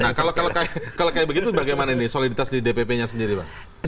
nah kalau kayak begitu bagaimana ini soliditas di dpp nya sendiri pak